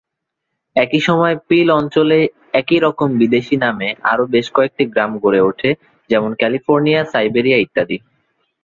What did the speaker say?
একই সময়ে পিল অঞ্চলে একই রকম বিদেশি নামে আরও বেশ কয়েকটি গ্রাম গড়ে ওঠে, যেমন ক্যালিফোর্নিয়া, সাইবেরিয়া ইত্যাদি।